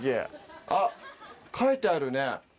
あっ書いてあるね。